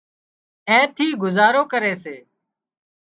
اين ٿي گذارو ڪري سي